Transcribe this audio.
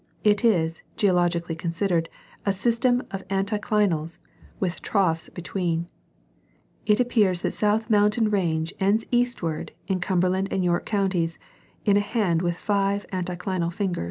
It is, geologically considered, a system of anticlinals with troughs between It appears that the South' Mountain range ends eastward [in Cumberland and York Counties] in a hand with five [anticlinal] fingers."